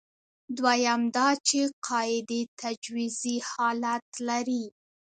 دویم دا چې قاعدې تجویزي حالت لري.